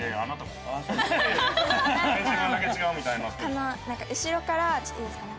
このなんか後ろからちょっといいですかね。